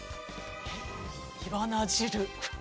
いわな汁。